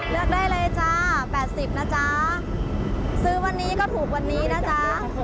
เลือกได้เลยจ้า๘๐นะจ๊ะซื้อวันนี้ก็ถูกวันนี้นะจ๊ะ